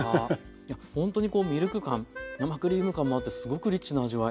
いやほんとにこうミルク感生クリーム感もあってすごくリッチな味わい。